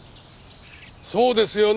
そうですよね？